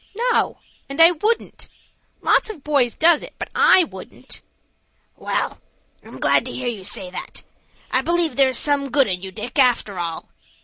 "No, and I wouldn't. Lots of boys does it, but I wouldn't." "Well, I'm glad to hear you say that. I believe there's some good in you, Dick, after all."